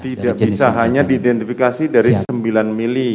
tidak bisa hanya diidentifikasi dari sembilan mili